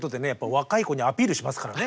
若い子にアピールしますからね。